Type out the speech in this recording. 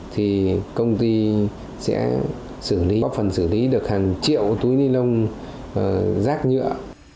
thì công ty sẽ xử lý góp phần xử lý được hàng triệu túi ni lông rác nhựa